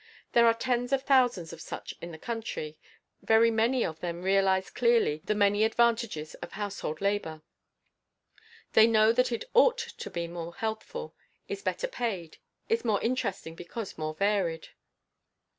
There are tens of thousands of such in the country; very many of them realize clearly the many advantages of household labor. They know that it ought to be more healthful, is better paid, is more interesting because more varied.